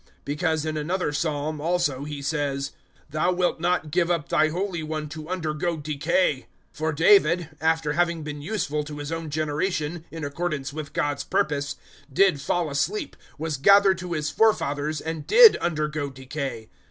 013:035 Because in another Psalm also He says, `Thou wilt not give up Thy Holy One to undergo decay.' 013:036 For David, after having been useful to his own generation in accordance with God's purpose, did fall asleep, was gathered to his forefathers, and did undergo decay.